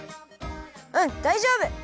うんだいじょうぶ！